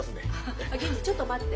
銀次ちょっと待って。